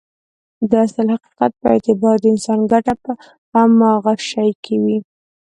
د اصل حقيقت په اعتبار د انسان ګټه په هماغه شي کې وي.